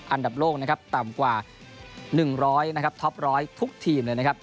อันดับโลกต่ำกว่า๑๐๐ท็อป๑๐๐ทุกทีมเลยนะครับ